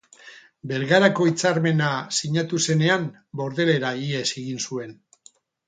Bergarako hitzarmena sinatu zenean Bordelera ihes egin zuen.